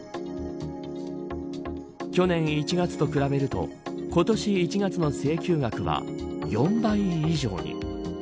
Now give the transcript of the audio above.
去年１月と比べると今年１月の請求額は４倍以上に。